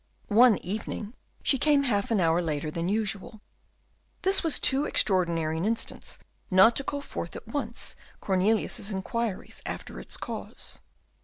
One evening she came half an hour later than usual. This was too extraordinary an instance not to call forth at once Cornelius's inquiries after its cause.